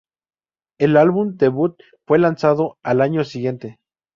Su álbum debut fue lanzado al año siguiente.